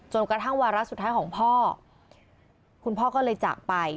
กระทั่งวาระสุดท้ายของพ่อคุณพ่อก็เลยจากไป